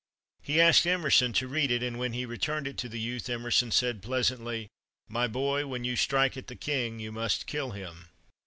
He asked Emerson to read it, and when he returned it to the youth, Emerson said, pleasantly, "My boy, when you strike at the king, you must kill him."